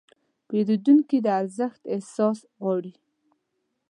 پیرودونکي د ارزښت احساس غواړي.